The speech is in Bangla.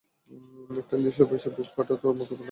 একটা নির্দিষ্ট বয়সে, বুক ফাটে তো মুখ ফুটে না।